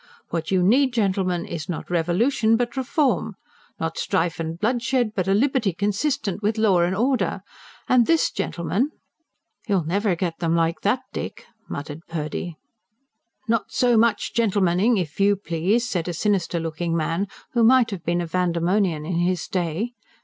What you need, gentlemen, is not revolution, but reform; not strife and bloodshed, but a liberty consistent with law and order. And this, gentlemen, " ("You'll never get 'em like that, Dick," muttered Purdy.) "Not so much gentlemening, if YOU please!" said a sinister looking man, who might have been a Vandemonian in his day.